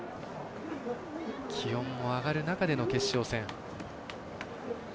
気温も上がる中での決勝戦。